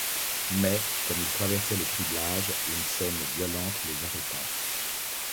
Mais, comme ils traversaient le criblage, une scène violente les arrêta.